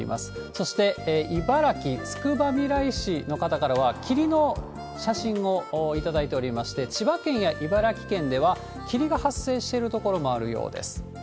そして、茨城・つくばみらい市の方からは霧の写真を頂いておりまして、千葉県や茨城県では霧が発生している所もあるようです。